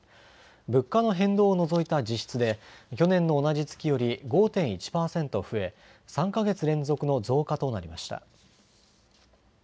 物価の変動を除いた実質で去年の同じ月より５．１％増え３か月連続の増加となりました。